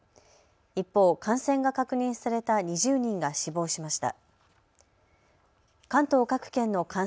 一方、感染が確認された２０人が死亡しました。